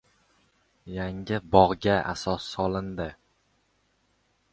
Yangi boqqa asos solindi